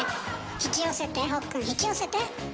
引き寄せてほっくん引き寄せて。